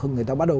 người ta bắt đầu